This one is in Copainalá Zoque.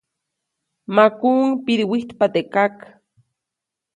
Makuʼuŋ pidiwijtpa teʼ kak.